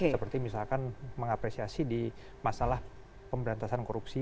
seperti misalkan mengapresiasi di masalah pemberantasan korupsi